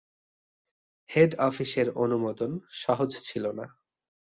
Head অফিসের অনুমোদন সহজ ছিল না।